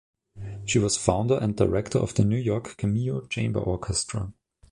She was founder and director of the New York Cameo Chamber Orchestra.